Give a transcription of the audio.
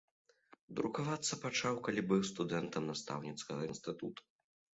Друкавацца пачаў, калі быў студэнтам настаўніцкага інстытута.